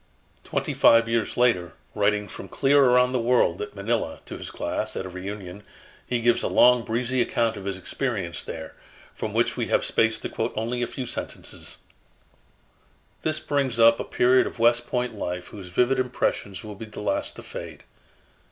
Twenty five years later, writing from clear around the world, at Manila, to his class, at a reunion, he gives a long, breezy account of his experience there, from which we have space to quote only a few sentences: "This brings up a period of West Point life whose vivid impressions will be the last to fade.